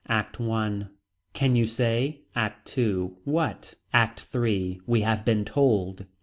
ACT I. Can you say. ACT II. What. ACT III. We have been told.